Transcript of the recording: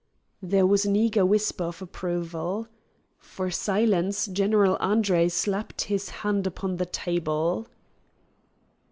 _" There was an eager whisper of approval. For silence, General Andre slapped his hand upon the table.